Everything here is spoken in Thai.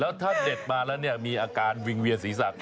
แล้วถ้าเด็กมาแล้วมีอาการวิ่งเวียนศีรษะ